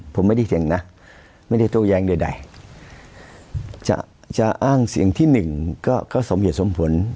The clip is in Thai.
ผมไม่ได้เถียงนะไม่ได้โต้แย้งใดจะจะอ้างเสียงที่หนึ่งก็สมเหตุสมผล